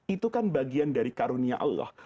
itu kan bagian dari karunia allah